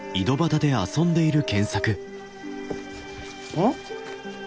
うん？